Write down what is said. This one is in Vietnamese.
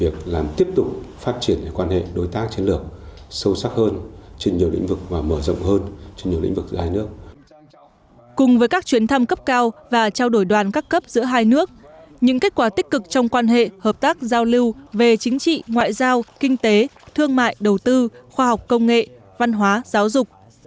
cùng với các chuyến thăm cấp cao và trao đổi đoàn các cấp giữa hai nước những kết quả tích cực trong quan hệ hợp tác giao lưu về chính trị ngoại giao kinh tế thương mại đầu tư khoa học công nghệ văn hóa giáo dục